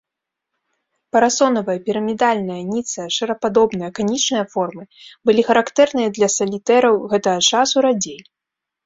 Парасонавая, пірамідальная, ніцая, шарападобная, канічная формы былі характэрныя для салітэраў гэтага часу радзей.